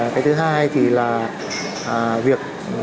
cái thứ hai thì là việc